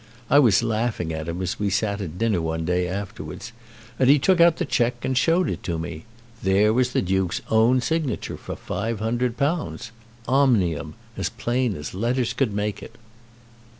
I was laughing at him as we sat at dinner one day afterwards, and he took out the cheque and showed it me. There was the Duke's own signature for £500, 'Omnium,' as plain as letters could make it."